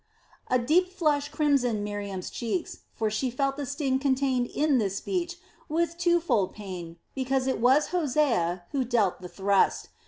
A deep flush crimsoned Miriam's cheeks; for she felt the sting contained in this speech with two fold pain because it was Hosea who dealt the thrust.